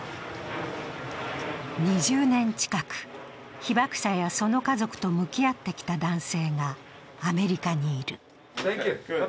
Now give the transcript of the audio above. ２０年近く被爆者やその家族と向き合ってきた男性がアメリカにいる。